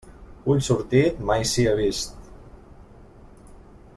Ull sortit, mai sia vist.